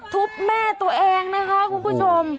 แม่ตัวเองนะคะคุณผู้ชม